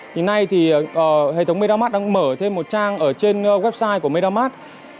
thì nay hệ thống medamat đang mở thêm một trang ở trên website của medamat